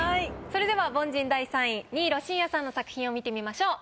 それでは凡人第３位新納慎也さんの作品を見てみましょう。